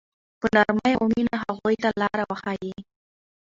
په نرمۍ او مینه هغوی ته لاره وښایئ.